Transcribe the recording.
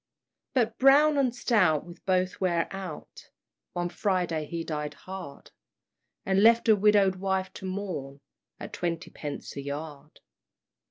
But Brown and stout will both wear out One Friday he died hard, And left a widow'd wife to mourn, At twenty pence a yard.